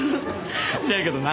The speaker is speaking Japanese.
せやけどな